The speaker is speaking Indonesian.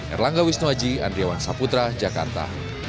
erlangga wisnuaji andriawan saputra jakarta